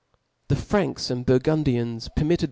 The Franks and Burgundians permitted art.